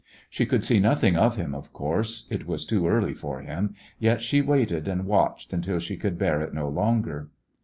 She could see nothing of him, of course, it was too early for him, yet she waited and watched until she could bear it no longer.